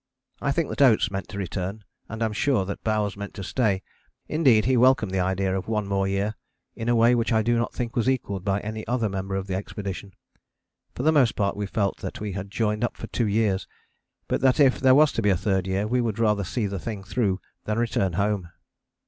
I think that Oates meant to return, and am sure that Bowers meant to stay: indeed he welcomed the idea of one more year in a way which I do not think was equalled by any other member of the expedition. For the most part we felt that we had joined up for two years, but that if there was to be a third year we would rather see the thing through than return home.